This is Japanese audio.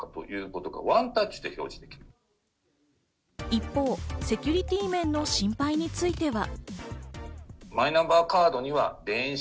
一方、セキュリティー面の心配については。